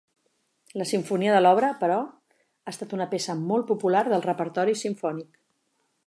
La simfonia de l'obra, però, ha estat una peça molt popular del repertori simfònic.